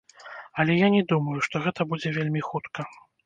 Але я не думаю, што гэта будзе вельмі хутка.